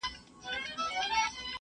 پوټکی باید وساتل شي.